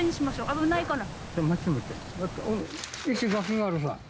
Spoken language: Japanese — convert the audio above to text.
危ないから。